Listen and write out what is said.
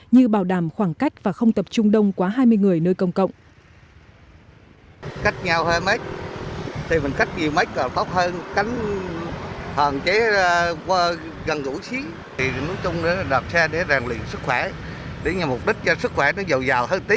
như bảo đảm khoảng cách và không tập trung đông quá hai mươi người nơi công cộng